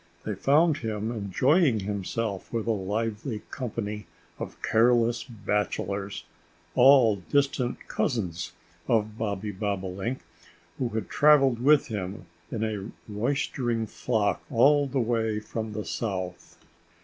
They found him enjoying himself with a lively company of careless bachelors all distant cousins of Bobby Bobolink who had travelled with him in a roistering flock all the way from the South.